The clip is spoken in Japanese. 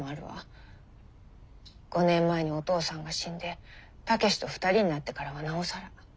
５年前にお義父さんが死んで武志と２人になってからはなおさら。